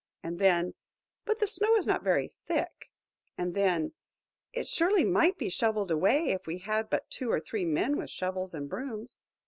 and then, "But the snow is not very thick;" and then, "It surely might be shovelled away if we had but two or three men with shovels and brooms."